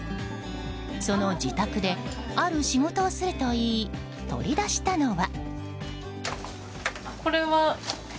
その自宅である仕事をするといい取り出したのは。